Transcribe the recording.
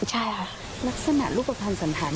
นักศึกษาลูกโปรทันสนฐานค่ะ